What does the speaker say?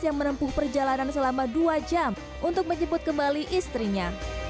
yang menempuh perjalanan selama dua jam untuk menjemput kembali istrinya